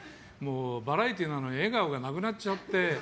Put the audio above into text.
バラエティーなのに笑顔がなくなっちゃって。